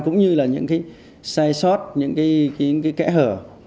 cũng như là những cái sai sót những cái kẽ hở